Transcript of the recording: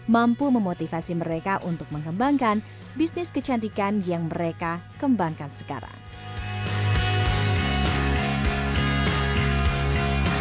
mampu memotivasi mereka untuk mengembangkan bisnis kecantikan yang mereka kembangkan sekarang